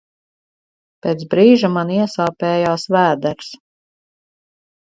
Pēc brīža man iesāpējās vēders.